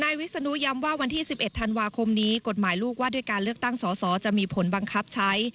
วิศนุย้ำว่าวันที่๑๑ธันวาคมนี้กฎหมายลูกว่าด้วยการเลือกตั้งสอสอจะมีผลบังคับใช้